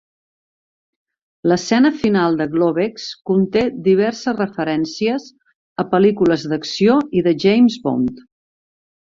L'escena final de Globex conté diverses referències a pel·lícules d'acció i de James Bond.